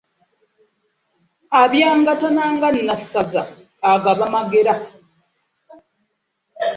Abyangatana nga Nassaza agaba amagera.